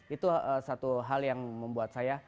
itu satu hal yang membuat saya